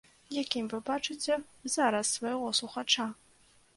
Якім вы бачыце зараз свайго слухача?